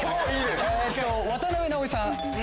渡辺直美さん。